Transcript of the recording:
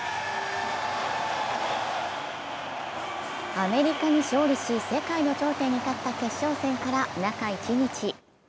アメリカに勝利し世界の頂点に立った決勝戦から中１日。